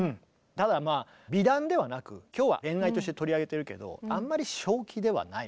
ただまあ美談ではなく今日は恋愛として取り上げてるけどあんまり正気ではない。